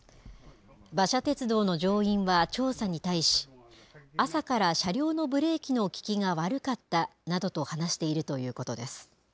馬車鉄道の乗員は調査に対し、朝から車両のブレーキの利きが悪かったなどと話しているということです。